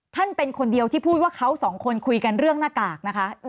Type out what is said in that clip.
เป็นคนเดียวที่พูดว่าเขาสองคนคุยกันเรื่องหน้ากากนะคะ